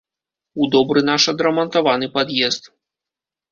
У добры наш адрамантаваны пад'езд.